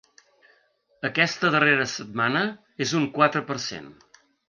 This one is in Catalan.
Aquesta darrera setmana, és un quatre per cent.